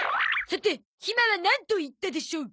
さてひまはなんと言ったでしょう？